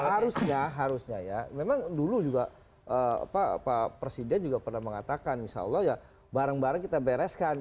harusnya harusnya ya memang dulu juga pak presiden juga pernah mengatakan insya allah ya barang barang kita bereskan